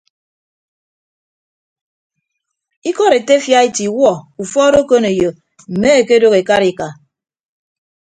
Ikọd etefia ete iwuọ ufuọd okoneyo mme ekedooho ekarika.